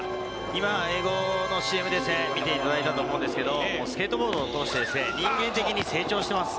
今、英語のＣＭ、見ていただいたと思いますが、スケートボードを通して人間的に成長してます。